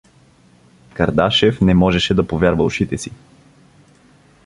Кардашев не можеше да повярва ушите си.